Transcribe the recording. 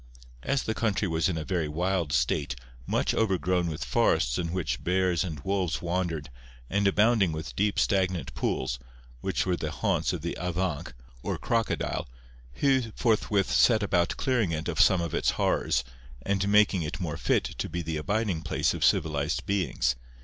As the country was in a very wild state, much overgrown with forests in which bears and wolves wandered, and abounding with deep stagnant pools, which were the haunts of the avanc or crocodile, Hu forthwith set about clearing it of some of its horrors, and making it more fit to be the abiding place of civilized beings.